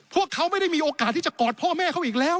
พวกเขาไม่ได้มีโอกาสที่จะกอดพ่อแม่เขาอีกแล้ว